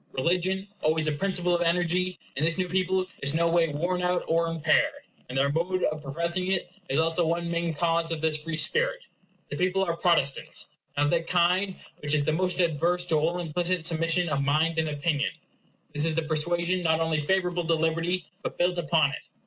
Religion, always a principle of energy, in this new people is no way worn out or impaired; and their mode of professing it is also one main cause of this free spirit. The people are Protestants; and of that kind which is the most adverse to all implicit submission of mind and opinion. This is a persuasion not only favorable to libert y, but built upon it.